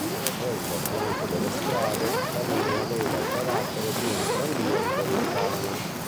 Correndo a fianco delle strade, la linea aveva il carattere di una tranvia interurbana.